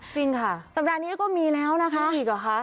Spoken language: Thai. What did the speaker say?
จริงค่ะสัปดาห์นี้ก็มีแล้วนะคะมีอีกเหรอคะ